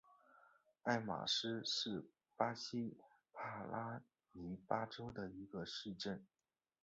埃马斯是巴西帕拉伊巴州的一个市镇。